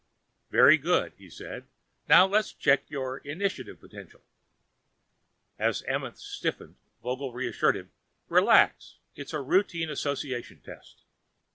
"Very good," he said. "Now let's check your initiative potential." As Amenth stiffened, Vogel reassured him, "Relax. It's a routine association test."